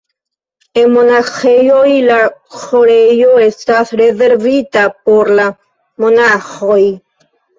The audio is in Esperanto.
En monaĥejoj la ĥorejo estas rezervita por la monaĥoj.